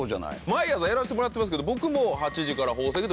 毎朝やらせてもらってますけど僕も。